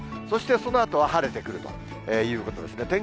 そしてそのあとは晴れてくるということですね。